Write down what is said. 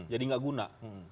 jadi nggak guna